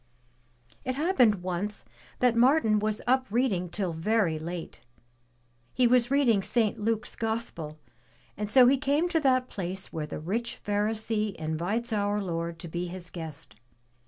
It happened once that Martin was up reading till very late. He was reading St. Luke's Gospel and so he came to that place where the rich Pharisee invites our Lord to be his guest.